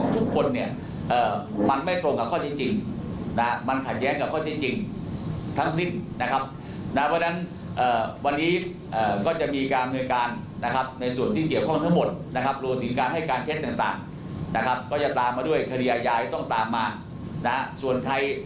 แต่จะต้องดำเนินคดีให้ถึงที่สุด